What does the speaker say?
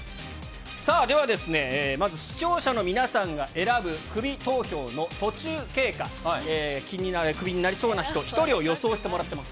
ではですね、まず視聴者の皆さんが選ぶ、クビ投票の途中経過、クビになりそうな人、１人を予想してもらってます。